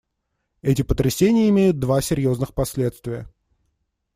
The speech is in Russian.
Эти потрясения имеют два серьезных последствия.